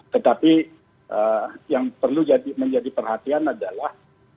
tetapi yang perlu menjadi perhatian adalah